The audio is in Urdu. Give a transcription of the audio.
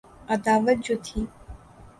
عداوت جو تھی۔